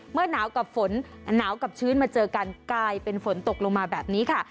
หนาวกับฝนหนาวกับชื้นมาเจอกันกลายเป็นฝนตกลงมาแบบนี้ค่ะ